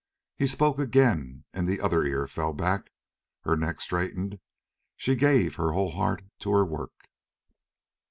He spoke again and the other ear fell back, her neck straightened, she gave her whole heart to her work.